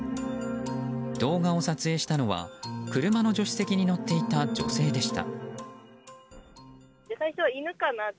動画を撮影したのは車の助手席に乗っていた女性でした。